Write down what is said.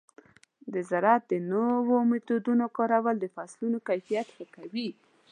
د زراعت د نوو میتودونو کارول د فصلونو کیفیت ښه کوي.